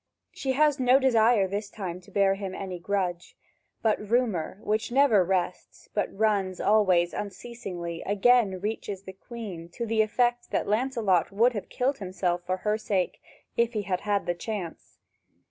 She has no desire this time to bear him any grudge. But rumour, which never rests but runs always unceasingly, again reaches the Queen to the effect that Lancelot would have killed himself for her sake, if he had had the chance.